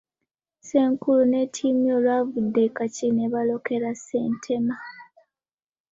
Ssenkulu ne ttiimu ye olwavudde e Kakiri ne boolekera Ssentema.